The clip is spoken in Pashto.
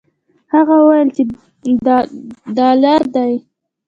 هغه وویل چې دلار دي.